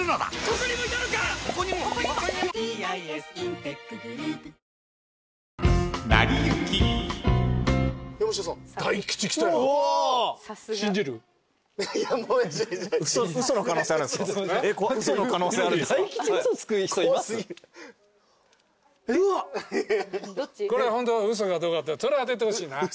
これがホントか嘘かどうかそれを当ててほしいな。